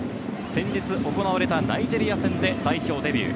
先日行われたナイジェリア戦で代表デビュー。